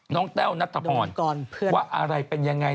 แต้วนัทพรว่าอะไรเป็นยังไง